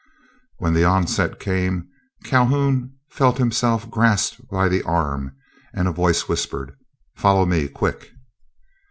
When the onset came, Calhoun felt himself grasped by the arm, and a voice whispered, "Follow me, quick!"